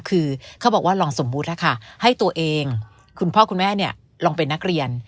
คือเขาบอกว่าลองสมมุตินะคะให้ตัวเองคุณพ่อคุณแม่ลองเป็นนักเรียน